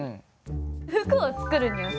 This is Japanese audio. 服を作るにはさ。